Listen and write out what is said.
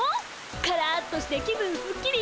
カラッとして気分すっきり。